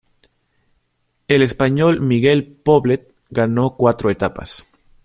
El español Miguel Poblet ganó cuatro etapas.